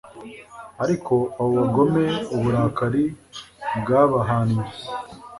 ariko abo bagome, uburakari bwabahannye